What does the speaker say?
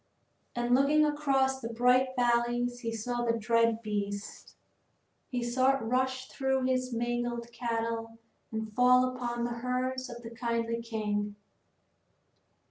And looking across the bright valleys he saw the dread beast. He saw it rush through his own mangled cattle and fall upon the herds of the kindly king.